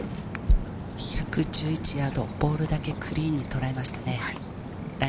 １１１ヤード、ボールだけクリーンに捉えましたね。